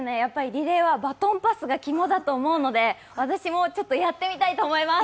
リレーはバトンパスが肝だと思うので私もちょっとやってみたいと思います。